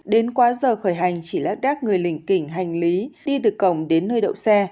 đến quá giờ khởi hành chỉ lát đát người lỉnh kỉnh hành lý đi từ cổng đến nơi đậu xe